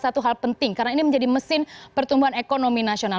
satu hal penting karena ini menjadi mesin pertumbuhan ekonomi nasional